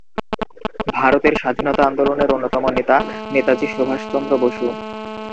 ভারতের স্বাধীনতা আন্দোলনের অন্যতম নেতা নেতাজি সুভাষচন্দ্র বসু।